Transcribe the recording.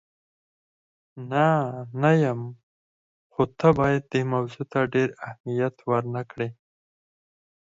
نه، نه یم، خو ته باید دې موضوع ته ډېر اهمیت ور نه کړې.